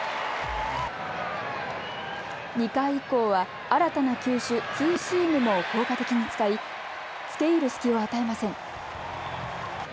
２回以降は新たな球種、ツーシームも効果的に使いつけいる隙を与えません。